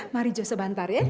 mari jo sebentar ya